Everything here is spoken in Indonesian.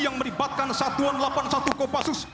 yang melibatkan satuan delapan puluh satu kopassus